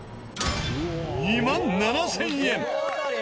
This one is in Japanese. ２万７０００円。